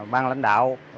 ban lãnh đạo